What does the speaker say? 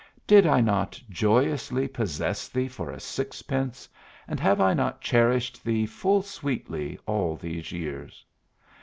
Did I not joyously possess thee for a sixpence, and have I not cherished thee full sweetly all these years?